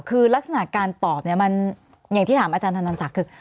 คือลักษณะการตอบเนี่ยมันอย่างที่ถามอาจารย์ธนันศักดิ์คือ